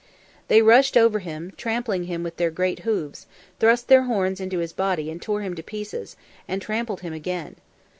They rushed over him, trampling him with their great hoofs, thrust their horns into his body and tore him to pieces, and trampled him again.